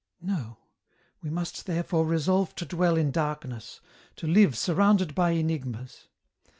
" No ; we must therefore resolve to dwell in darkness, to live surrounded by enigmas.